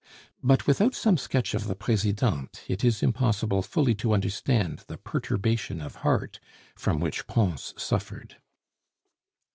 But without some sketch of the Presidente, it is impossible fully to understand the perturbation of heart from which Pons suffered.